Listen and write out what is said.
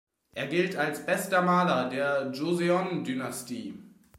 Er gilt als bester Maler der Joseon-Dynastie.